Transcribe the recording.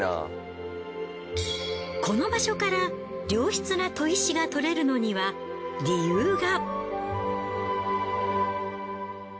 この場所から良質な砥石が採れるのには理由が。